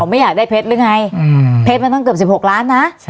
เขาไม่อยากได้เพชรหรือไงอืมเพชรมันต้องเกือบสิบหกลานนะใช่